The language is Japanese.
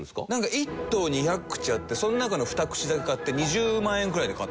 １頭２００口あってその中の２口だけ買って２０万円ぐらいで買って。